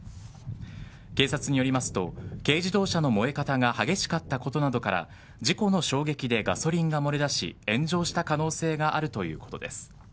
警察によりますと軽自動車の燃え方が激しかったことなどから事故の衝撃でガソリンが漏れ出し炎上した可能性があるということです。